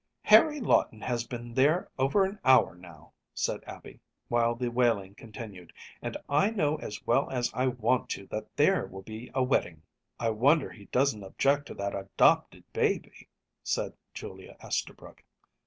“Harry Lawton has been there over an hour now,‚ÄĚ said Abby, while the wailing continued, “and I know as well as I want to that there will be a wedding.‚ÄĚ “I wonder he doesn’t object to that adopted baby,‚ÄĚ said Julia Esterbrook.